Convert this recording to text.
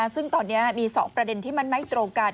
ซึ่งตอนนี้มี๒ประเด็นที่มันไม่ตรงกัน